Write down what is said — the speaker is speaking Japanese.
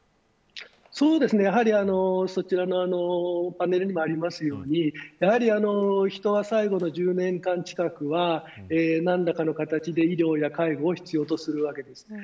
やはり、そちらのパネルにもありますように人は、最後の１０年間近くは何らかの形で医療や介護を必要とするわけですね。